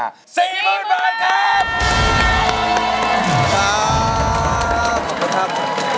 ๔หมื่นบาทครับ